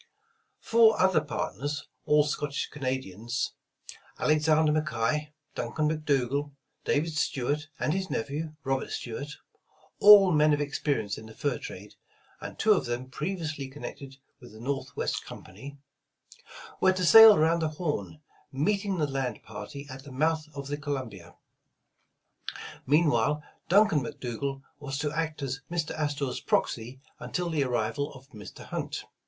Four other partners, all Scottish Canadians, Alex ander McKay, Duncan McDougal, David Stuart and his nephew, Robert Stuart, — all men of experience in the fur trade, and two of them previously connected with the Northwest Company, — were to sail around the Horn, meeting the land party at the mouth of the Co lumbia. Meanwhile, Duncan McDougal was to act as Mr. Astor 's proxy until the arrival of Mr. Hunt.